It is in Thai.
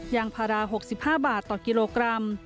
ยางพารา๖๕บาทต่อกิโลกรัม